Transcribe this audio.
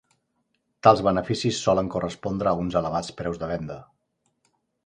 Tals beneficis solen correspondre a uns elevats preus de venda.